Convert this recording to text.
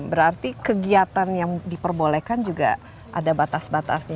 berarti kegiatan yang diperbolehkan juga ada batasan